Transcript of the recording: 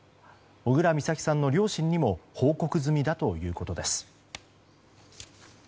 小倉美咲さんの両親にも報告済みだということです。